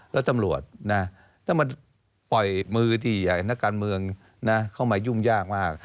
แล้วตำรวจนะถ้ามันปล่อยมือที่นักการเมืองเข้ามายุ่งยากมาก